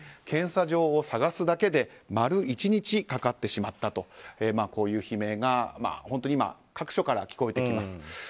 検査場を探すだけで丸１日かかってしまったとこういう悲鳴が本当に今各所から聞こえてきます。